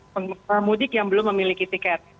pemudik yang belum memiliki tiket